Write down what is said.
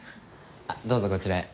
どうぞこちらへ。